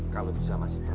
kalau bisa masih baru